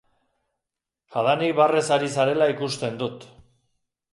Jadanik barrez ari zarela ikusten dut.